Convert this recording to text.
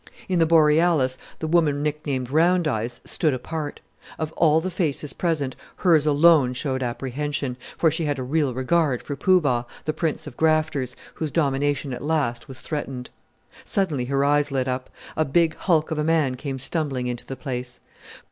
In the Borealis the woman nicknamed Roundeyes stood apart. Of all the faces present hers alone showed apprehension, for she had a real regard for Poo Bah, the Prince of Grafters, whose domination at last was threatened. Suddenly her eyes lit up. A big hulk of a man came stumbling into the place.